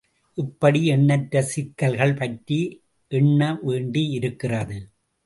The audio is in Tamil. இப்படி எண்ணற்ற சிக்கல்கள் பற்றி எண்ண வேண்டியிருக்கிறது.